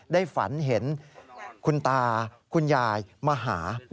ได้ฝันเห็นคุณตาคุณยายมาหา